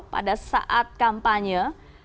pada saat kampanye